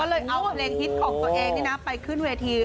ก็เลยเอาเพลงฮิตของตัวเองไปขึ้นเวที